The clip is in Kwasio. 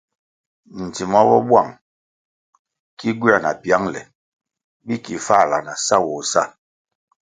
Dzima bo buang ki gywer na piangle bi ki fahla na sawoh sa.